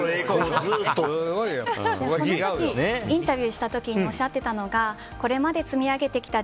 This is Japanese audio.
インタビューした時におっしゃっていたのがこれまで積み上げてきた